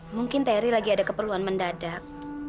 mungkin teri lagi ada keperluan mendadak